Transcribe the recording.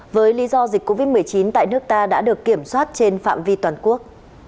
với lý do dịch covid một mươi chín tại nước ta đã được kiểm soát trên phạm vi toàn quốc